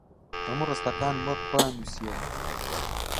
هەموو ڕستەکانم وەک خۆیان نووسییەوە